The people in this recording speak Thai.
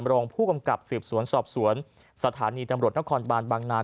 รองผู้กำกับสืบสวนสอบสวนสถานีตำรวจนครบานบางนา